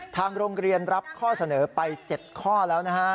ทางโรงเรียนรับข้อเสนอไป๗ข้อแล้วนะฮะ